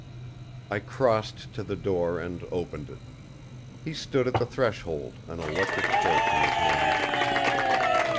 I crossed to the door and opened it. He stood at the threshold, an electric torch in his hand.